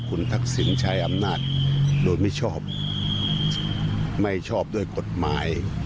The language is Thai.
คุณทักษิณใช้อำนาจโดยมิชอบไม่ชอบด้วยกฎหมาย